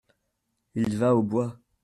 Il va au bois !